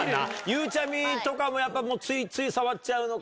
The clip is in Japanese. ゆうちゃみとかもやっぱついつい触っちゃうのか。